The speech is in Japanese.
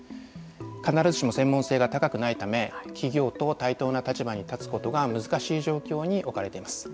必ずしも専門性が高くないため企業と対等な立場に立つことが難しい状況に置かれています。